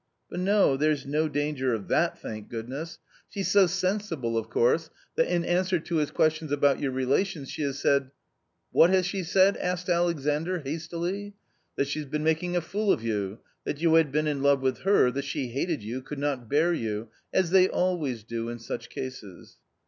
But no, there is no danger of that, thank goodness. A COMMON STORY 135 She's so sensible of course, that in answer to his questions about your relations she has said " 4 'What has she said ?" asked Alexandr, hastily. " That she had been making a fool of you, that you had been in love with her, that she hated you, could not bear you — as they always do in such cases."